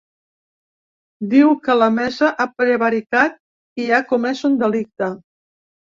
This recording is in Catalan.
Diu que la mesa ha prevaricat i ha comès un delicte.